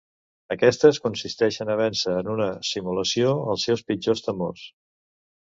Aquestes consisteixen a vèncer en una simulació els seus pitjors temors.